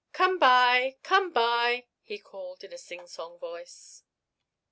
"Come buy, come buy!" he called in a singsong voice.